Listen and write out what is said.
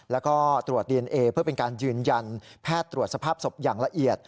แล้วก็ตรวจดีเอนเอเพื่อเป็นการยืนยันแพทย์ตรวจสภาพศพอย่างละเอียด